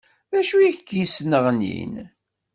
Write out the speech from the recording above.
D acu i k-yesneɣnin?